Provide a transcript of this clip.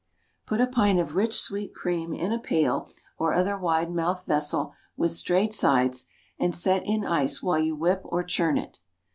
Put a pint of rich, sweet cream in a pail or other wide mouthed vessel with straight sides, and set in ice while you whip or churn it.